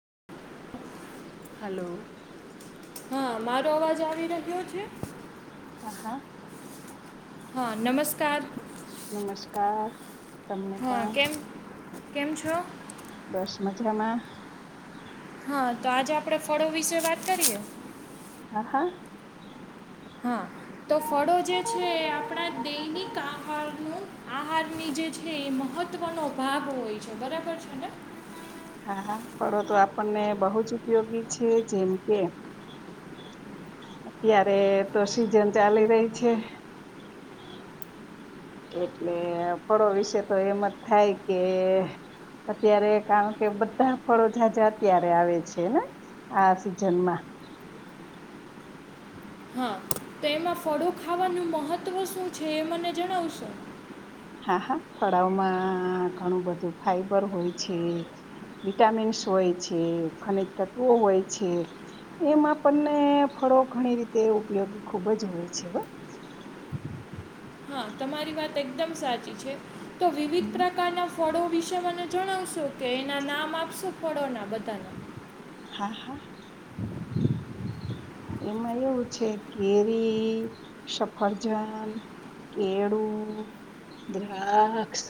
[inaudible] hello હા મારો અવાજ આવી રહ્યો છે હા હા હા નમસ્કાર નમસ્કાર તમને હા પણ કેમ કેમ છો બસ મજામાં હા તો આજે આપડે ફળો વિશે વાત કરીએ હા હા હા તો ફળો જે છે એ આપણા દૈનિક આહાર આહારની જે છે એ મહત્વનોો ભાગ હોય છે બરાબર છે ને હા હા ફળો તો આપણને બહુ જ ઉપયોગી છે જેમ કે અત્યારે તો સીઝન ચાલી રહી છે એટલે ફળો વિશે તો એમ જ થાય કે અત્યારે કારણ કે બધા ફળો જાઝા અત્યારે આવે છે ને આ સિઝનમાં હા તો એમાં ફળું ખાવાનું મહત્વ શું છે એ મને જણાવશો હા હા ફળાવમાં ઘણું બધું ફાઈબર હોય છે વિટામિન્સ હોય છે ખનિજ તત્વો હોય છે એમાં પણણને ફળો ઘણી રીતે ઉપયોગી ખૂબ જ હોય છે વા હા તમારી વાત એકદમ સાચી છે તો વિવિધ પ્રકારના ફળો વિશે મને જણાવશો કે એના નામ આપશો ફળોના બધાના આ હા એમાં એવું છે કેરી સફરજન કેળું દ્રાક્ષ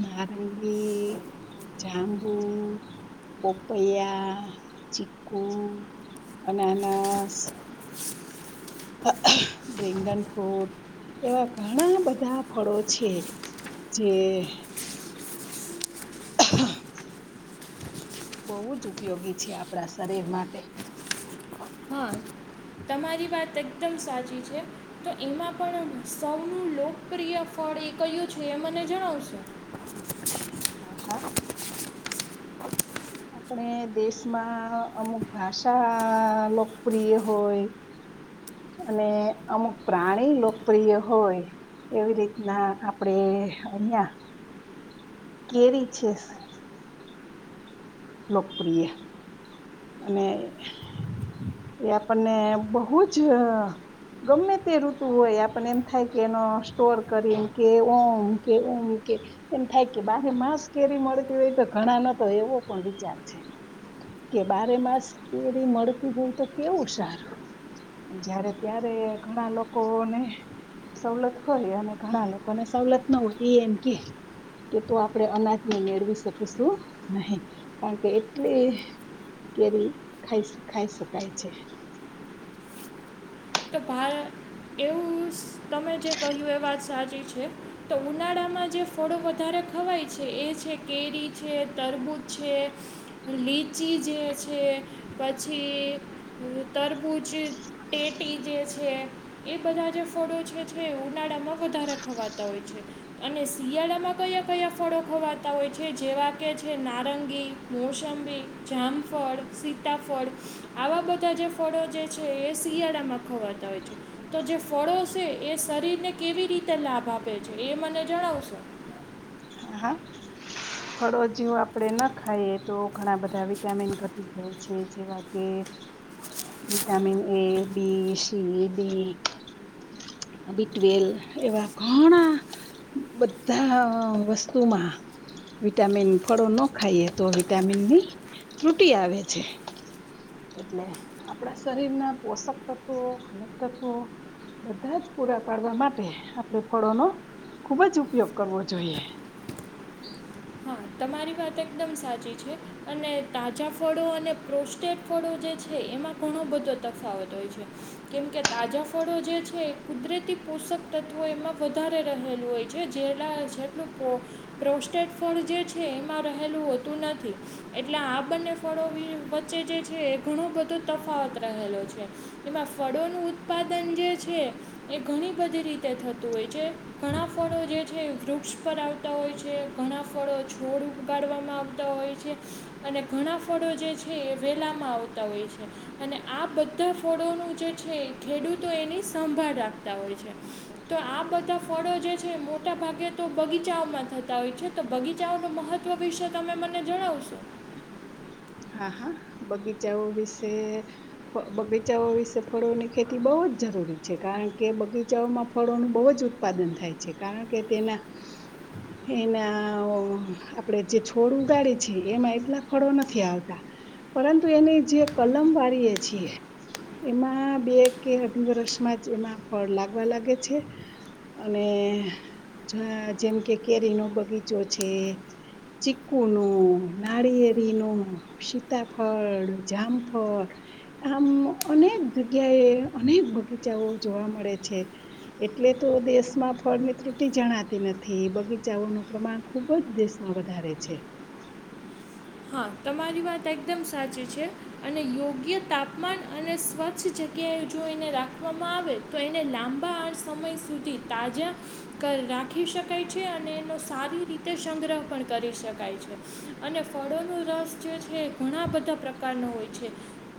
નારંગી જાાંબુ પોપૈયા ચીકુ અનસ ડ્રેંગન ફ્રૂટ એવા ઘણા બધા ફળો છે જે બહુ જ ઉપયોગી છે આપણા શરીર માટે હા તમારી વાત એકદમ સાચી છે તો એમાં પણ સૌનું લોકપ્રિય ફળ એ કયું છે એ મને જણાવશેો હ હા આપણે દેશમાં અમુક ભાષા લોકપ્રિય હોય અને અમુક પ્રાણી લોકપ્રિય હોય એવી રીતના આપણેે અહિયાં કેરી છે લોકપ્રિય અને એ આપણને બહુ જ ગમે તે ઋતુ હોય આપને એમ થાય કે એનો સ્ટોર કરીને કે ઓમ કે ઓમ કે એમ થાય કે બારે માંસ કેરી મળતી હોય તો ઘણા નતો એવો પણ વિચાર છે કે બારે માસ કેરી મળતી હોય તો કેવું સારું જ્યારે ત્યારે ઘણા લોકોને સવલત હોય અને ઘણા લોકોને સવલત ના હોય એ એમ કે કે તો આપણે અનાજને મેળવી શકીશું નહી કારણ કે એટલી કેરી ખાઈ ખાઈ શકાય છે તો ભ એવું તમે જે કહ્યું એ વાત સાચી છે તો ઉનાળામાં જે ફળો વધારે ખવાય છે એ છે કેરી છે તરબૂચ છે લીચી જે છે પછી તરબૂચ તે ટી જે છે એ બધા જે ફળો જે છે એ ઉનાળામાં વધારે ખવાતા હોય છે અને શિયાળામાં કયા કયા ફળો ખવાતા હોય છે જેવા કે છે નારંગી મોસંબી જામફળ સીતાફળ આવા બધા જે ફળો જે છે એ શિયાળા ખતા હોય છે તો જે ફળો છે એ શરીર ને કેવી રીતે લાભ આપે છે એ મને જણાવશો હ હા ફળોજીવ આપણેે ન ખાઈએ તો ઘણા બધા વિટામિન ઘટી જાય છે જેવા કે vitamin A B C D બીટવેલ એવા ઘણા બધા વસ્તુ વિટામિન ફળો ન ખાઈએ તો વિટામિનની ત્રુટી આવે છે એટલે આપણા શરીરના પોષક તત્વો ખનિક તત્વો બધા જ પૂરા પાડવા માટે આપણે ફળોનોો ખુબ જ ઉપયોગ કરવો જોઈએ [inaudible] હા તમારી વાત એકદમ સાચી છે અને તાજા ફળો અને પ્રોસ્ટેટ ફળો જે છે એમાં ઘણો બધો તફાવત હોય છે કેમકે તાજા ફળો જે છે એ કુદરતી પોષક તત્વો એમાં વધારે રહેલું હોય છે જેલા જેટલું પ્રોસ્ટેટ ફળ જે છે છે એમાં રહેલું હોતું નથી એટલે આ બંને ફળો વચ્ચે જે છે એ ઘણો બધો તફાવત રહેલો છે એમાં ફળોનું ઉત્પાદન જે છે એ ઘણી બધી રીતે થતું હોય છે ઘણા ફળો જે છે વૃક્ષક્ષ પર આવતા હોય છે ઘણા ફળો છોડ ઉગાડવામાં આવતા હોય છે અને ઘણા ફળો જે છે એ વેલાવામાં આવતા હોય છે અને આ બધા ફળોનું જે છે એ ખેડૂતો એની સંભાળ રાખતા હોય છે તો આ બધા ફળો જે છે મોટા મોટા ભાગે તો બગીચામાં થતા હોય છે તો બગીચ બચાવનું મહત્વ વિશે તમે મને જણાવશો હા હા બગીચાઓ વિશે બગીચાઓ વિશે ફળોની ખેતી બહુ જ જરૂરી છે કારણ કે બગીચાઓમાં ફળોનું બહુ જ ઉત્પાદન થાય છે કારણ કે તેના એના આપણેે જે છોડ ઉગાડે છે એમાં એટલા ફળો નથી આવતા પરંતુ એની જે કલમ વાળીએ છીએ એમાં બે કે અઢી વર્ષમાં જ એમાં ફળ લાગવા લાગે છે અને જેમ કે કેરીનોો બગીચો છે ચીકુનોો નાળિયેરીનોો સીતાફળ જામફળ આમ અનેક જગ્યાએ અનેક બગીચાઓ જોવા મળે છે એટલે તો દેશમાં ફળ ની ત્રુટી જણાતી નથી બગીચાઓનું પ્રમાણ ખૂબ જ દેશમાં વધારે છે ા તમારી વાત એકદમ સાચી છે અને યોગ્ય તાપમાન અને સ્વચ્છ જગ્યાએ જો એને રાખવામાં આવે તો એને લાંબા આળ સમય સુધી તાજા રાખી શકાય છે અને એનો સારી રીતે સંગ્રહ પણ કરી શકાય છે અને કળોનો રસ જે છે ઘણા બધા પ્રકારનો હોય છે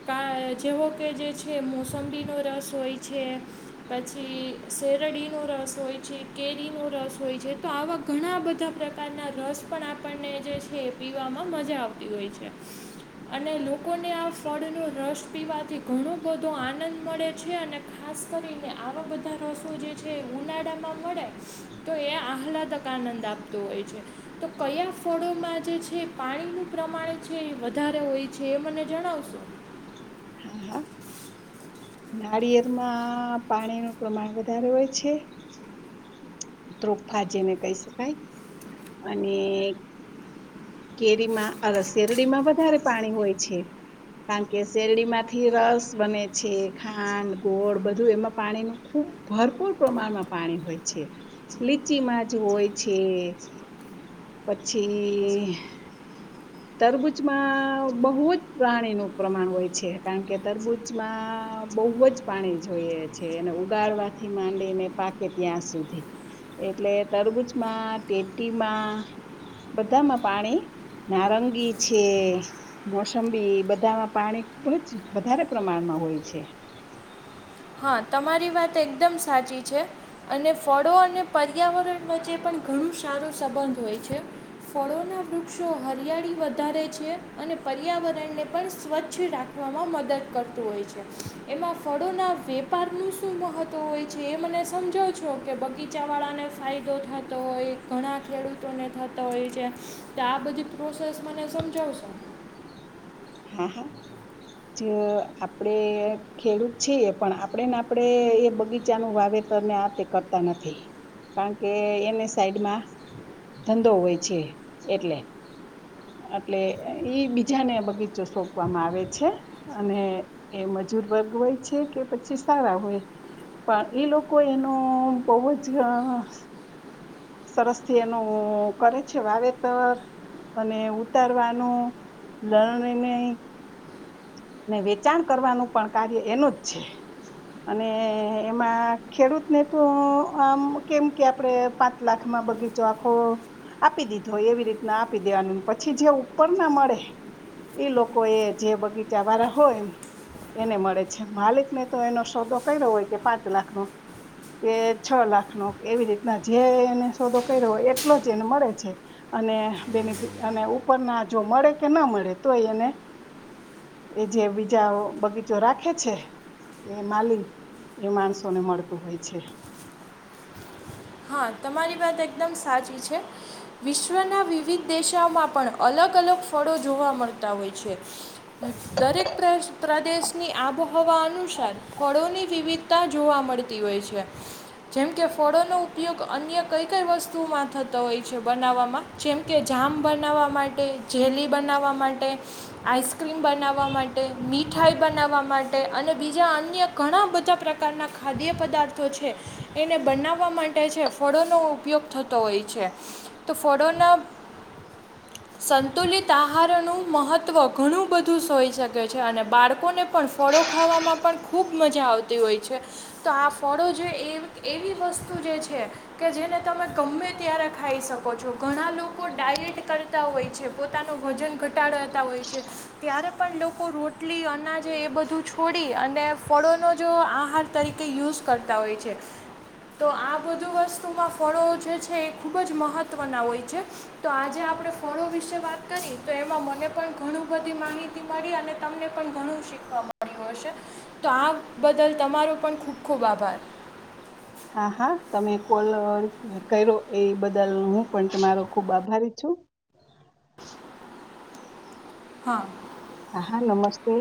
કા જેવો કે જે છે મોસંબીનો રસ હોય છે પછી શેરડીનો રસ હોય છે કેરીનો રસ હોય છે તો આવા ઘણા બધા પ્રકારના રસ પણ આપણને જે છે પી પીવામાં મજા આવતી હોય છે અને લોકોને આ ફળનોો રસ પીવાથી ઘણો બધો આનંદ મળે છે અને ખાસ કરીને આવા બધા રસો જે છે ઉનાળામાં મળે તો એ આહલાદક આનંદ આપતો હોય છે તો કયા ફળોમાં જે છે પાણીનું પ્રમાણ છે વધારે હોય છે એ મને જણાવશો નાળિયેર માં પાણીનું પ્રમાણ વધારે હોય છે ત્રોફા જેને કહી શકાય અને કેરીમાં અ શેરડીમાં વધારે પાણી હોય છે કારણ કે શેરડીમાંથી રસ બને છે ખાંડ ગોળ બધું એમાં પાણીનું ખૂબ ભરપૂર પ્રમાણમાં પાણી હોય છે લીચીમાં જ હોય છે પછી તરબૂચમાં બહુ જ પ્રાણીનું પ્રમાણ હોય છે કારણ કે તરબૂચમાં બહુ જ પાણી જોઈએ છે અને ઉગાડવાથી માંડીને પાકે ત્યાં સુધી એટલે તરબૂચમાં તેટીમાં બધામાં પાણી નારંગી છે મોસંબી બધામાં પાણી ખૂબ જ વધારે પ્રમાણમાં હોય છે હા તમારી વાત એકદમ સાચી છે અને ફળો અને પર્યાવરણ વચ્ચે પણ ઘણું સારો સંબંધ હોય છે ફળોનાં વૃક્ષો હરિયાળી વધારે છે અને પર્યાવરણને પણ સ્વચ્છ રાખવામાં મદદ કરતું હોય છે એમાં ફળોના વેપારનું શું મહત્ત્વ હોય છે એ મને સમજાવશો કે બગીચાવાળાને ફાયદો થતો હોય ઘણા ખેડૂતોને થતો હોય છે તો આ બધી પ્રોસેસ મને સમજાવશો હા હા જે આપડે ખેડૂત છેએ પણ આપણેે ને આપણેે એ બગીચાનુંું વાવેતર ને આ તે કરતા નથી કારણ કે એને સાઈડમાં ધંધો હોય છે એટલે એટલે ઈ બીજાને બગીચ સોંપવામાં આવે છે અને એ મજૂર વર્ગ હોય છે કે પછી સારા હોય પણ એ લોકો એનો બહુ જ સરસ થી એનું કરે છે વાવેતર અને ઉતારવાનું લરણી ન ને વેચાણ કરવાનું પણ કાર્ય એનું જ છે અને એમાં ખેડૂતને તો આમ કેમ કે આપણે લાખ બગીચો આખો આપી દીધો હોય એવી રીતના આપી દેવાનું પછી જે ઉપર ના મળે એ લોકો એ જે બગીચા વાળા હોય એને મળે છે માલિકને તો એનો સોદો કર્યો હોય કે પાંચ લાખનોો કે છ લાખનોો એવી રીતના જે સોદો કર્યો એટલો જ એને મળે છે અને બેનિફિ અને ઉપરના જો મળે કે ના મળે તો એને એ જે બીજા બગીચો રાખે છે એ માલી એ માણસોને મળતું હોય છે હા તમારી વાત એકદમ સાચી છે વિશ્વના વિવિધ દેશાઓમાં પણ અલગ અલગ ફળો જોવા મળતા હોય છે દરેક પ્રદેશની આબોહવા અનુસાર ફળોની વિવિધ તા જોવા મળતી હોય છે જેમકે ફળોનો ઉપયોગ અન્ય કઈ કઈ વસ્તુઓમાં થતો હોય છે બનાવવામાં જેમ કે જામ બનાવવા માટે જેલી બનાવવા માટે આઈસ્ક્રીમ બનાવવા માટે મીઠાઈ બનાવવા માટે અને બીજા અન્ય ઘણા બધા પ્રકારના ખાદ્ય પદાર્થો છે એને બનાવવા માટે ફળોનો ઉપયોગ થતો હોય છે તો ફળોના સંતુલિત આહારનું મહત્વ ઘણું બધું સ હોઈ શકે છે અને બાળકોને પણ ફળો ખાવામાં પણ ખૂબ મજા આવતી હોય છે તો આ ફળો જે એવી વસ્તુ જે છે છે કે જેને તમે ગમે ત્યારે ખાઈ શકો છો ઘણા લોકો ડાયટ કરતા હોય છે પોતાનું વજન ઘટાડાતા હોય છે ત્યારે પણ લોકો રોટલી અનાજે એ બધું છોડી અને ફળોનો જો આહાર તરીકે યુઝ કરતા હોય છે તો આ આ બધું વસ્તુમાં ફળો જે છે એ ખૂબ જ મહત્ત્વના હોય છે તો આજે આપણે ફળો વિશે વાત કરી તો એમાં મને પણ ઘણું બધી માહિતી મળી અને તમને પણ ઘણું શીખવા મળ્યું હશે તો આ બદલ તમારો પણ ખૂબ ખૂબ આભાર હા હા તમે કોલ કર્યો એ બદલ હું પણ તમારો ખુબ આભારી છું હા હા હા નમસ્તે